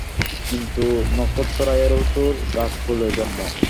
কিন্তু নক্ষত্ররায়েরও তো রাজকুলে জন্ম।